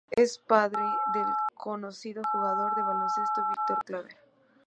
Es el padre del conocido jugador de baloncesto Víctor Claver.